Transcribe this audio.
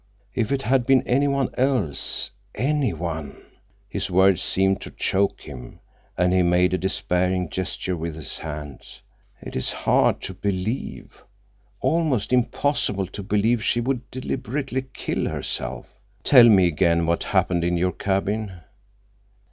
If it had been anyone else—anyone—" His words seemed to choke him, and he made a despairing gesture with his hands. "It is hard to believe—almost impossible to believe she would deliberately kill herself. Tell me again what happened in your cabin."